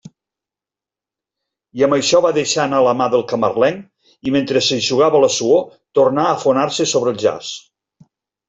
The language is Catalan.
I amb això va deixar anar la mà del camarlenc; i mentre s'eixugava la suor, tornà a afonar-se sobre el jaç.